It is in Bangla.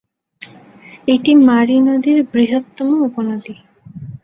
এটি মারি নদীর বৃহত্তম উপনদী।